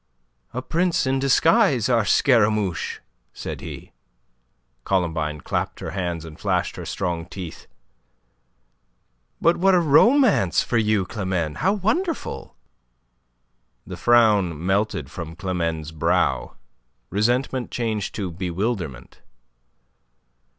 "A prince in disguise, our Scaramouche!" said he. Columbine clapped her hands and flashed her strong teeth. "But what a romance for you, Climene! How wonderful!" The frown melted from Climene's brow. Resentment changed to bewilderment.